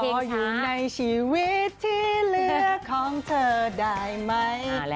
พออยู่ในชีวิตที่เหลือของเธอได้ไหม